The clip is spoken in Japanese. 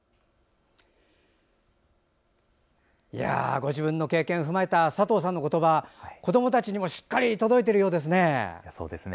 ご自分の経験を踏まえた佐藤さんの言葉、子どもたちにもしっかり届いているようですね。